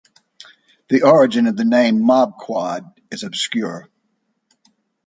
The origin of the name "Mob Quad" is obscure.